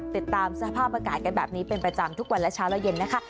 ติดตามสภาพอากาศกันแบบนี้เป็นประจำทุกวันและเช้าและเย็นนะคะ